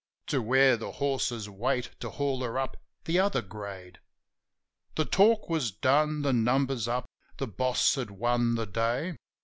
To where the horses wait to haul her up the other grade. The talk was done, the numbers up, the boss had won the day.